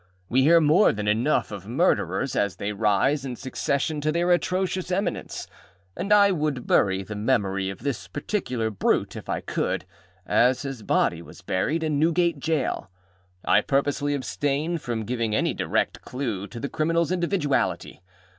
We hear more than enough of murderers as they rise in succession to their atrocious eminence, and I would bury the memory of this particular brute, if I could, as his body was buried, in Newgate Jail. I purposely abstain from giving any direct clue to the criminalâs individuality.